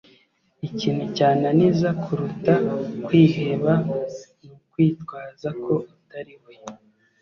ikintu cyananiza kuruta kwiheba ni ukwitwaza ko utari we